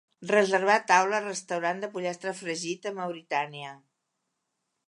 Reservar taula al restaurant de pollastre fregit a Mauritània